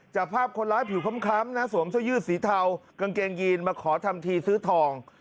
จับภาพคนร้ายผิวค้ำนะสวมเสื้อยืดสีเทากางเกงยีนมาขอทำทีซื้อทอง